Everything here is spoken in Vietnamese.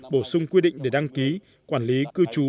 bổ sung quy định để đăng ký quản lý cư trú